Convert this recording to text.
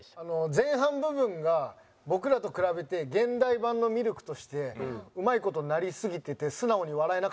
前半部分が僕らと比べて現代版のミルクとしてうまい事なりすぎてて。